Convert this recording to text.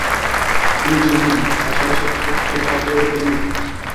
তিনি জিম্মি হন, পাশাপাশি একটি শক্তিশালী হাতিয়ারেও পরিণত হন।